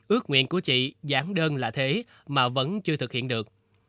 ước nguyện của chị giảng đơn là thế mà vẫn chưa thực hiện được